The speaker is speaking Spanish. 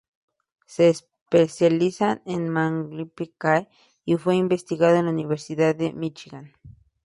Se especializa en Malpighiaceae y fue investigador en la Universidad de Míchigan.